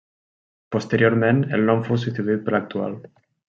Posteriorment el nom fou substituït per l'actual.